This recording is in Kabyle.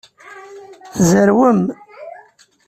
Tzerwem.